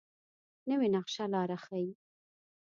نوې نقشه لاره ښيي